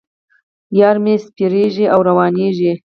یار مې سپریږي او روانېږي.